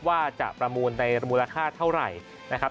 ว่าจะประมูลในมูลค่าเท่าไหร่นะครับ